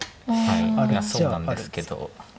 いやそうなんですけど。